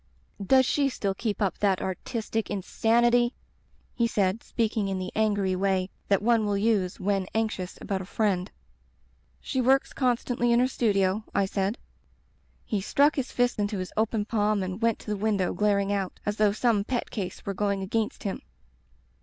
"*Does she still keep up that artistic in sanity?' he said, speaking in the angry way that one will use when anxious about a friend. "*She works constantly in her studio/ I said. He struck his fist into his open palm and went to the window, glaring out, as though some pet case were going against him.